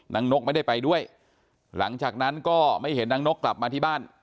นกไม่ได้ไปด้วยหลังจากนั้นก็ไม่เห็นนางนกกลับมาที่บ้าน